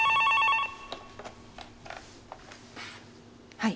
☎はい。